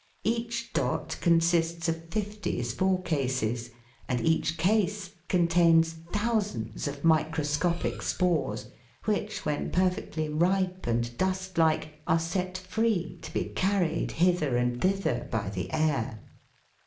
Each dot consists of fifty spore cases, and each case contains thousands of micro scopic spores, which, when perfectly ripe and dust like, are set free to be carried hither and thither by the air.